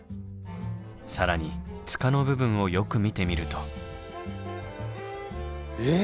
更に柄の部分をよく見てみると。え？